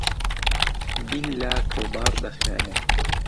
بیللا کەوباڕ دەخوێنێ